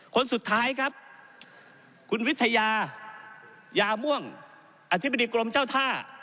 คนสุดท้ายครับคุณวิทยายาม่วงอธิบดีกรมเจ้าท่า